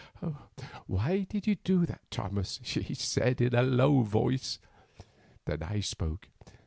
"Why did you do that, Thomas?" she said, in a low voice. Then I spoke.